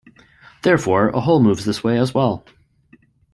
Therefore, a hole moves this way as well.